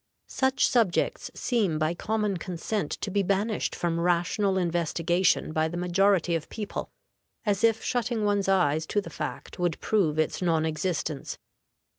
Such subjects seem by common consent to be banished from rational investigation by the majority of people, as if shutting one's eyes to the fact would prove its non existence.